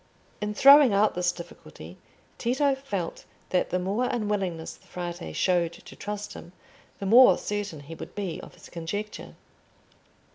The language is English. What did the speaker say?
In throwing out this difficulty Tito felt that the more unwillingness the Frate showed to trust him, the more certain he would be of his conjecture.